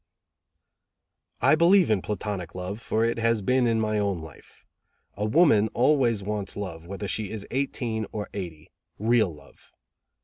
"I believe in platonic love, for it has been in my own life. A woman always wants love, whether she is eighteen or eighty real love.